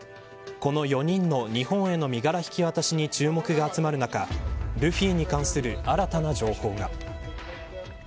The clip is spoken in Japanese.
この４人の日本への身柄引き渡しに注目が集まる中ルフィに関する新たな情報が。